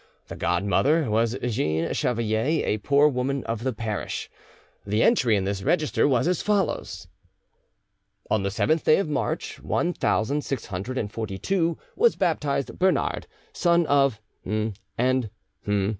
The godmother was Jeanne Chevalier, a poor woman of the parish. The entry in the register was as follows: "On the seventh day of March one thousand six hundred and forty−two was baptized Bernard, son of ... and